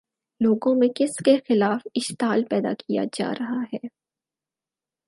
لوگوں میں کس کے خلاف اشتعال پیدا کیا جا رہا ہے؟